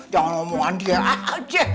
jangan omongan dia aja